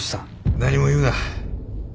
何も言うな。